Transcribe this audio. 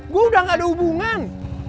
gue udah gak ada hubungan